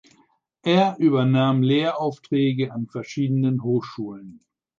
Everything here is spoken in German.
Er übernahm Lehraufträge an verschiedenen Hochschulen.